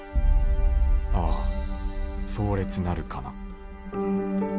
ああ壮烈なるかな」。